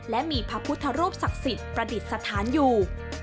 และมีพระพุทธรูปศักดิ์สิทธิ์ประดิษฐานอยู่